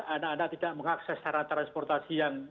anak anak tidak mengakses sarana transportasi yang